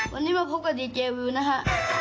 วันนี้มาพบกับดีเจวิวนะฮะ